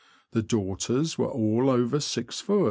The daughters were all over 6ft.